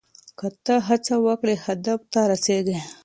که ته هڅه وکړې هدف ته رسیږې.